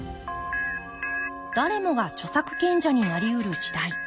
誰もが著作権者になりうる時代。